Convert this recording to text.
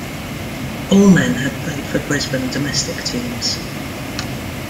All men had played for Brisbane domestic teams.